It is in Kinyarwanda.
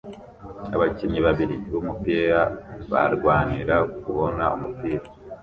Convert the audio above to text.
Abakinnyi babiri b'umupira barwanira kubona umupira